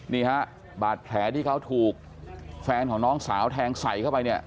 นี่ฮะบาดแผลที่เขาถูกแฟนของน้องสาวแทงใส่เข้าไปเนี่ย